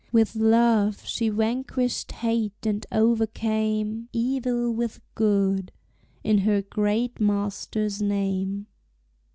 With love she vanquished hate and overcame Evil with good, in her Great Master's name.